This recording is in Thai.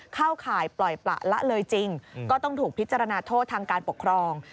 เข้าข่ายปล่อยประละเลยจริงก็ต้องถูกพิจารณาโทษทางการปกครอง